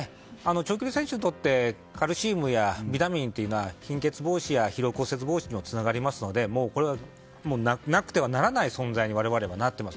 長距離選手にとってカルシウムやビタミンというのは貧血防止や疲労骨折防止につながりますのでなくてはならない存在になっています。